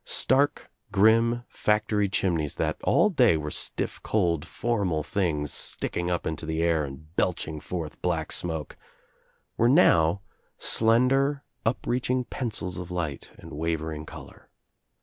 Stark grim factory chimneys, that all day were stiff cold formal things sticking up into the air and belching J forth black smoke, were now slender upreaching pencils 1 of light and wavering color.